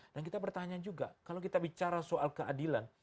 dan kita bertanya juga kalau kita bicara soal keadilan